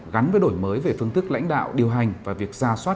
gắn với đổi mới về phương thức lãnh đạo điều hành và việc ra soát